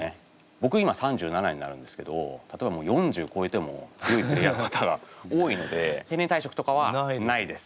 ぼく今３７になるんですけど例えばもう４０こえても強いプレーヤーの方が多いので定年退職とかはないです。